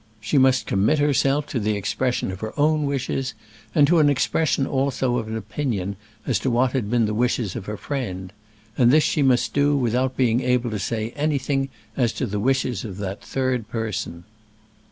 She must commit herself to the expression of her own wishes, and to an expression also of an opinion as to what had been the wishes of her friend; and this she must do without being able to say anything as to the wishes of that third person.